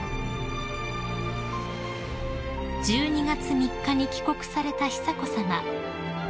［１２月３日に帰国された久子さま］